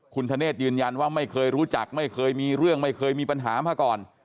คุณธเนธยืนยันว่าไม่เคยรู้จักไม่เคยมีเรื่องไม่เคยมีปัญหามาก่อน